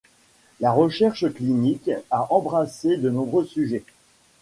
La recherche clinique a embrassé de nombreux sujets.